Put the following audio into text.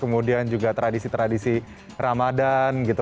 kemudian juga tradisi tradisi ramadhan gitu